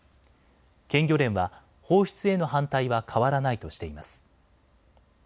県漁連は放出への反対は変わらないとしています。